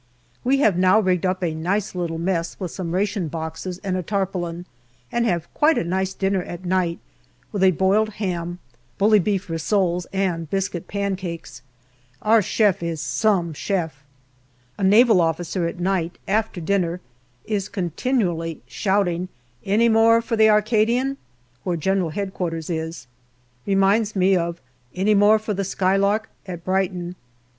We have now rigged up a nice little mess with some ration boxes and a tarpaulin, and have quite a nice dinner at night with a boiled ham, bully beef rissoles, and biscuit pancakes. Our chef is " some " 60 GALLIPOLI DIARY chef. A Naval officer at night, after dinner, is continually shouting " Any more for the Arcadian ?" where G.H.O. is. Reminds me of " Any more for the Skylark ?" at Brighton.